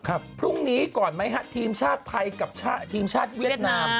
พรุ่งนี้ก่อนไหมฮะทีมชาติไทยกับทีมชาติเวียดนาม